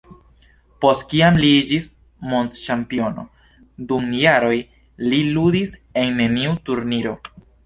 Post kiam li iĝis mondĉampiono, dum jaroj li ludis en neniu turniro.